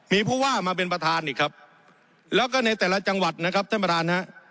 มีผู้ว่ามาเป็นประธานอีกครับแล้วก็ในแต่ละจังหวัดนะครับท่านประธานฮะ